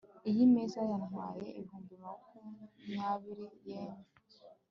iyi meza yantwaye ibihumbi makumyabiri yen